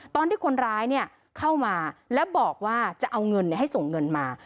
ตอนที่คนร้ายเข้ามาแล้วบอกว่าจะเอาเงินให้ส่งเงินมา